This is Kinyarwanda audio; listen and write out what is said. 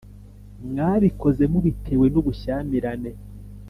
mwabikoze mubitewe n’ubushyamirane